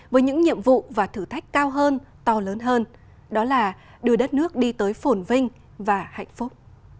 với những nhiệm vụ và thử thách cao hơn to lớn hơn đó là đưa đất nước đi tới phổn vinh và hạnh phúc